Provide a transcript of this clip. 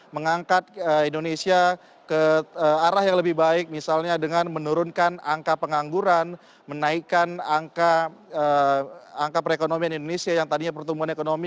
mengangkat indonesia ke arah yang lebih baik misalnya dengan menurunkan angka pengangguran menaikkan angka perekonomian indonesia yang tadinya pertumbuhan ekonomi